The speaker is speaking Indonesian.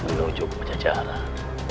menuju ke pencajaran